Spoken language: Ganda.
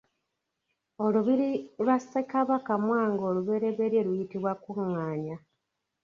Olubiri lwa Ssekabaka Mwanga omuberyeberye luyitibwa Kuŋŋaanya.